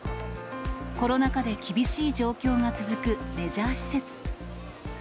コロナ禍で厳しい状況が続くレジャー施設。